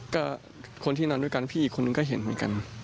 ก็คนที่นอนด้วยกันพี่อีกคนนึงก็เห็นเหมือนกัน